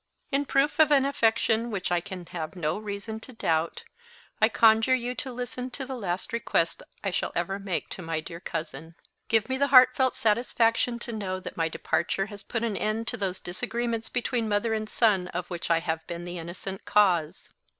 "In proof of an affection which I can have no reason to doubt, I conjure you to listen to the last request I shall ever make to my dear cousin. Give me the heartfelt satisfaction to know that my departure has put an end to those disagreements between mother and son of which I have been the innocent cause.